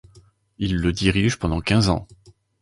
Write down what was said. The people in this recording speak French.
Il le dirige pendant quinze ans.